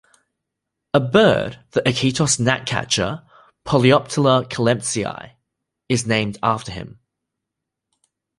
A bird, the Iquitos gnatcatcher, "Polioptila clementsi", is named after him.